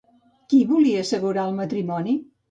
Qui volia assegurar el matrimoni?